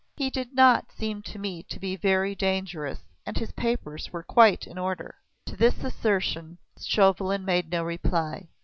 "He did not seem to me to be very dangerous and his papers were quite in order." To this assertion Chauvelin made no reply.